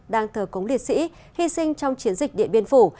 đang thờ cống liệt sĩ hy sinh trong chiến dịch điện biên phủ